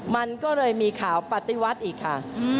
มันก็เลยมีข่าวปฏิวัติอีกค่ะ